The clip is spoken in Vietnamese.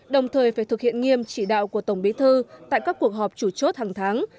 đồng thời phải thực hiện nghiêm chỉ đạo của tổng bí thư tại các cuộc họp chủ chốt hàng tháng